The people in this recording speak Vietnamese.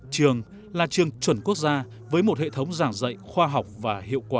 trường là trường chuẩn quốc gia với một hệ thống giảng dạy khoa học và hiệu quả